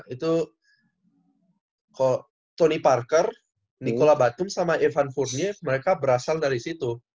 itu tony parker nicola batum sama evan fournier mereka berasal dari situ